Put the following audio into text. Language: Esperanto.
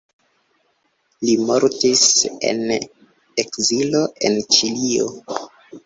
Li mortis en ekzilo en Ĉilio.